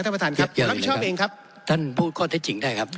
ท่านประธานครับรับผิดชอบเองครับท่านพูดข้อเท็จจริงได้ครับ